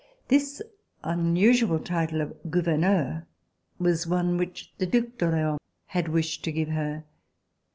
This unusual title of gouverneur was one which the Due d'Orleans had wished to give her.